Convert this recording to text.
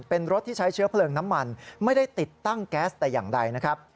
เป็นรถที่ใช้เชื้อเพลิงน้ำมันไม่ได้ติดตั้งแก๊สแต่อย่างใดนะครับ